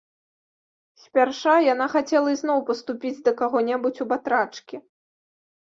Спярша яна хацела ізноў паступіць да каго-небудзь у батрачкі.